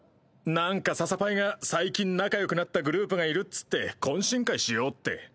なんか笹パイが最近仲よくなったグループがいるっつって懇親会しようって。